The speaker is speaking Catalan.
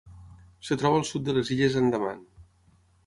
Es troba al sud de les Illes Andaman.